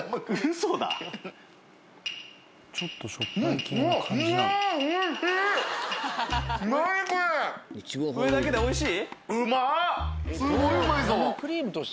それだけでおいしい？